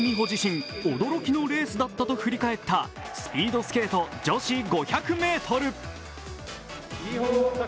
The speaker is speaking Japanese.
自身、驚きのレースだったと振り返ったスピードスケート女子５００ｍ。